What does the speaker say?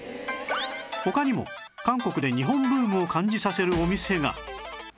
他にも韓国で日本ブームを感じさせるお店が